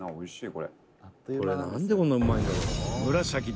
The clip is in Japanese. これなんでこんなうまいんだろうな。